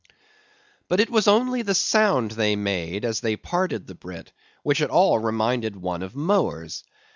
But it was only the sound they made as they parted the brit which at all reminded one of mowers.